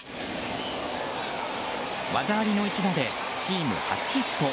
技ありの一打でチーム初ヒット。